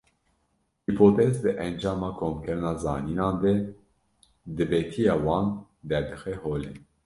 Hîpotez di encama komkirina zanînan de, dibetiya wan derdixe holê.